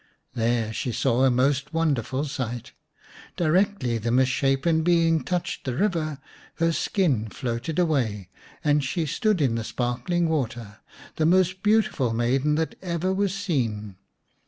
There she saw a most wonderful sight. Directly the misshapen being touched the river her skin floated away, and she stood in the sparkling water, the most beautiful maiden that ever was seen.